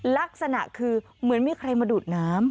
ลักษณะคือเหมือนมีใครมาดูดน้ำ